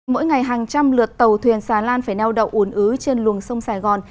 mỗi ngày hàng trăm lượt tàu thuyền xà lan phải neo đậu uốn ứ trên luồng sông sài gòn